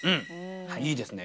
いいですね